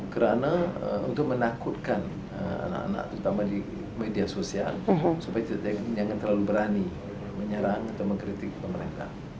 karena untuk menakutkan anak anak terutama di media sosial supaya tidak terlalu berani menyerang atau mengkritik mereka